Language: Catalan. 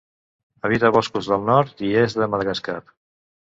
Habita boscos del nord i est de Madagascar.